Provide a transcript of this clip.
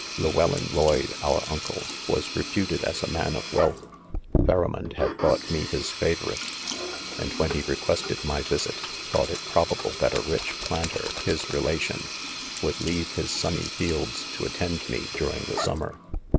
Llewellyn, Llbydje, our uncle, was re puted as a man of ' wjealth ; Pharamond had thought me his favorite j aind when he reques ted my visits thought it probable that a rich planter, his relation, wo iild. leave his sunny fields to attend me during the summer.